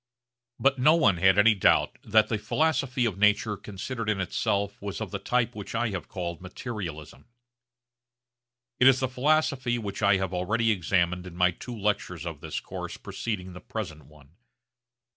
But no one had any doubt that the philosophy of nature considered in itself was of the type which I have called materialism. It is the philosophy which I have already examined in my two lectures of this course preceding the present one.